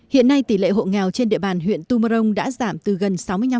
hiện nay tỷ lệ hộ nghèo trên địa bàn huyện tù mơ rông đã giảm từ gần sáu mươi năm